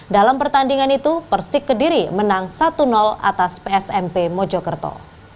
dalam pertandingan itu persik kediri menang satu atas psmp mojokerto